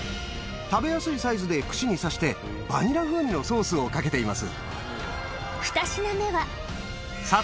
食べやすいサイズで串に刺してバニラ風味のソースをかけています。